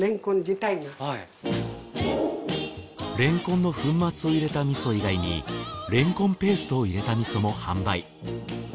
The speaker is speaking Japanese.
れんこんの粉末を入れた味噌以外にれんこんペーストを入れた味噌も販売。